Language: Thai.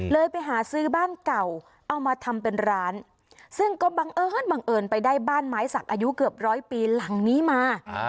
ไปหาซื้อบ้านเก่าเอามาทำเป็นร้านซึ่งก็บังเอิญบังเอิญไปได้บ้านไม้สักอายุเกือบร้อยปีหลังนี้มา